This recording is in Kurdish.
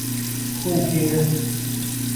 Hûn tînin.